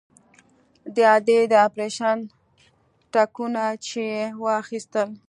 د ادې د اپرېشن ټکونه چې يې واخيستل.